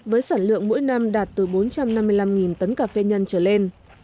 với sản lượng mỗi năm đạt từ bốn trăm năm mươi năm tấn cà phê nhân trở lên